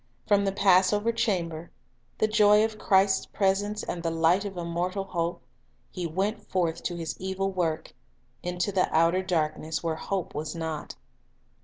From the Passover chamber, the joy of Christ's presence, and the light of immortal hope, he went forth to his evil work, — into the outer darkness, where hope was not.